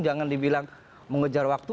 jangan dibilang mengejar waktu